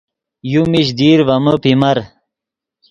یو میش دیر ڤے من پیمر